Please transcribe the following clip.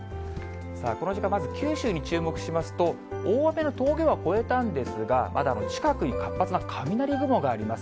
この時間、まず九州に注目しますと、大雨の峠は越えたんですが、まだ近くに活発な雷雲があります。